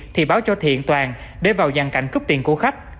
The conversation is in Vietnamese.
thì báo cho thiện toàn để vào dàn cảnh cướp tiền của khách